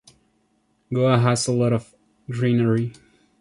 Goa has a lot of greenery.